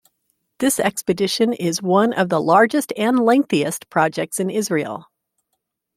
This expedition is one of the largest and lengthiest projects in Israel.